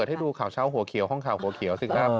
ให้ดูข่าวเช้าหัวเขียวห้องข่าวหัวเขียวสิครับ